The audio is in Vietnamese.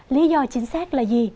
lý do chính xác là gì